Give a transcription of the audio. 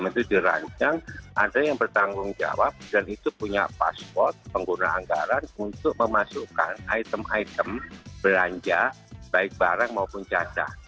karena itu dirancang ada yang bertanggung jawab dan itu punya password pengguna anggaran untuk memasukkan item item belanja baik barang maupun jasa